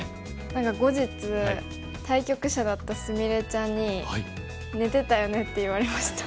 何か後日対局者だった菫ちゃんに「寝てたよね」って言われました。